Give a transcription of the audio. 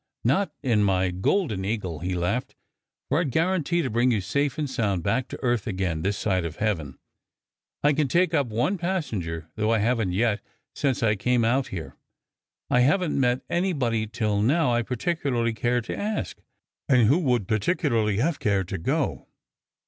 "Not in my Golden Eagle" he laughed, "for I d guarantee to bring you safe and sound back to earth again, this side of heaven. I can take up one passenger, though I haven t yet, since I came out here. I haven t met any body, till now, I particularly cared to ask, and who would particularly have cared to go."